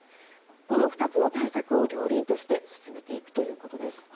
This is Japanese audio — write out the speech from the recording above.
この２つの対策を両輪として進めていくということです。